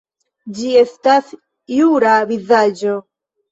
Ĝi estas jura vizaĝo.